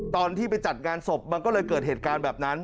ตอนที่ไปจัดงานศพมันก็เลยเกิดเหตุการณ์แบบนั้น